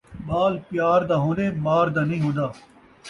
ٻال پیار دا ہوندے مار دا نہیں ہوندا